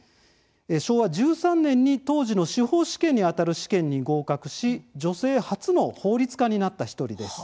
昭和１３年に、当時の司法試験にあたる試験に合格し女性初の法律家になった１人です。